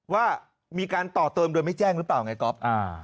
ว่ามีการต่อเติมโดยไม่แจ้งหรือเปล่าไงก๊อฟ